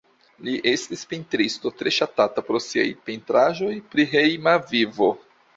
Li estis pentristo tre ŝatata pro siaj pentraĵoj pri hejma vivo.